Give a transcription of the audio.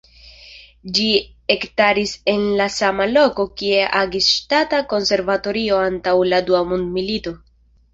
Ĝi ekstaris en la sama loko kie agis Ŝtata Konservatorio antaŭ la dua mondmilito.